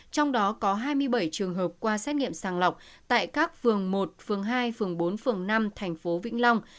trong đó có hai mươi bảy trường hợp qua xét nghiệm sàng lọc tại các phường một phường hai phường bốn phường năm thành phố vĩnh long